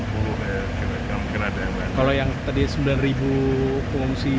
kalau yang tadi sembilan ribu pengungsi